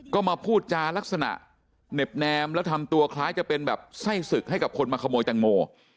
ก็มาพูดจารักษณะเหน็บแนมแล้วทำตัวคล้ายจะเป็นแบบไส้ศึกให้กับคนมาขโมยแตงโม